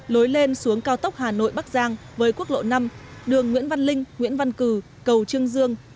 lối lên xuống cao tốc hà nội bắc giang với quốc lộ năm đường nguyễn văn linh nguyễn văn cử cầu trương dương